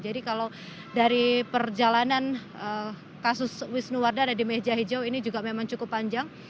jadi kalau dari perjalanan kasus wisnu wardana di meja hijau ini juga memang cukup panjang